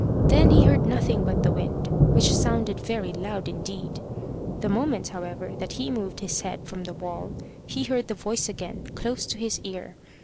Then he heard nothing but the wind, which sounded very loud indeed. The moment, however, that he moved his head from the wall, he heard the voice again, close to his ear.